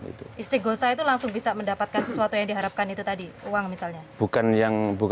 istiqosa itu langsung bisa mendapatkan sesuatu yang diharapkan itu tadi